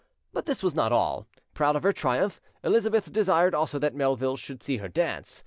But this was not all: proud of her triumph, Elizabeth desired also that Melville should see her dance.